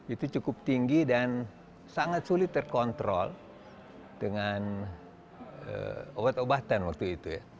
itu cukup tinggi dan sangat sulit terkontrol dengan obat obatan waktu itu ya